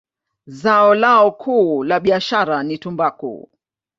Zao lao kuu la biashara ni tumbaku.